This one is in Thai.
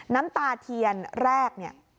น้ำตาเทียนแรก